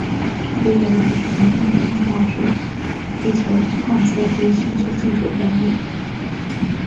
毕业于成都理工大学地球探测与信息技术专业。